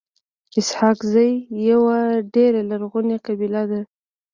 اسحق زی يوه ډيره لرغوني قبیله ده.